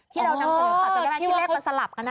ที่เรานำเป็นข่าวจนให้ได้ที่เลขมันสลับกันนะ